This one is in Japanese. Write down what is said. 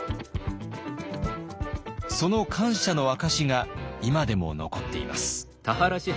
その感謝の証しが今でも残っています。